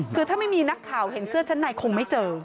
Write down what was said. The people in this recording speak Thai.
คือถ้าไม่มีนักข่าวเห็นเสื้อชั้นในคงไม่เจอ